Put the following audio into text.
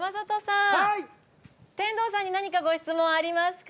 天童さんに何かご質問ありますか？